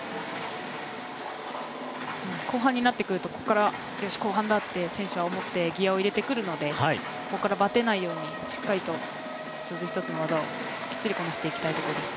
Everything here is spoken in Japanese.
後半になってくると、ここからよし後半だと選手はギアを入れてくるので、ここからバテないように、しっかりと１つ１つの技をきっちりこなしていきたいところです。